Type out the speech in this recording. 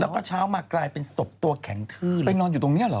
แล้วก็เช้ามากลายเป็นศพตัวแข็งทืดไปนอนอยู่ตรงนี้เหรอ